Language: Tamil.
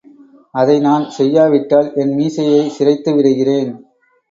அதை நான் செய்யாவிட்டால் என் மீசையைச் சிரைத்து விடுகிறேன்.